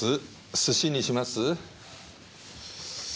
寿司にします？